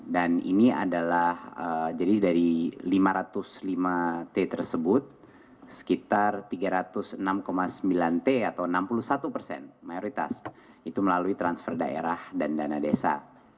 dan ini adalah jadi dari lima ratus lima t tersebut sekitar tiga ratus enam sembilan t atau enam puluh satu persen mayoritas itu melalui transfer daerah dan dana desa